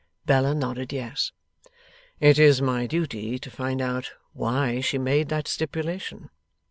Bella nodded Yes. 'It is my duty to find out why she made that stipulation.